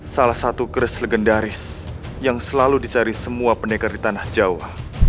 salah satu keris legendaris yang selalu dicari semua pendekar di tanah jawa